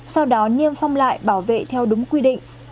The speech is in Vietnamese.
sau đó niêm phong lại bảo vệ theo đúng quy định